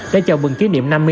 để chào bừng kỷ niệm năm mươi năm